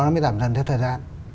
nó mới giảm dần theo thời gian